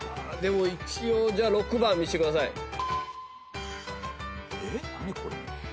でも一応じゃあ６番見せてください。